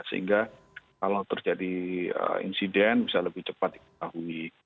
sehingga kalau terjadi insiden bisa lebih cepat diketahui